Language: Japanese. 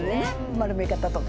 丸め方とか。